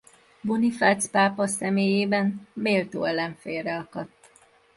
Bonifác pápa személyében méltó ellenfélre akadt.